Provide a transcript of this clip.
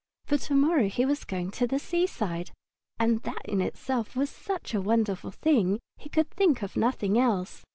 For to morrow he was going to the seaside, and that in itself was such a wonderful thing that he could think of nothing else.